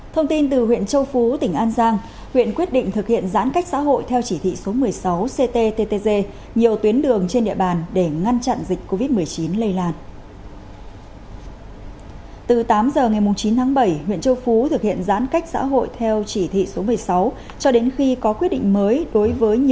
thông tin từ huyện châu phú tỉnh an giang huyện quyết định thực hiện giãn cách xã hội theo chỉ thị số một mươi sáu cttg nhiều tuyến đường trên địa bàn để ngăn chặn dịch covid một mươi chín lây lan